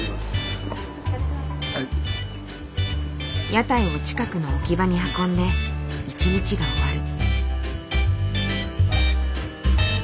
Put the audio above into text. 屋台を近くの置き場に運んで一日が終わる。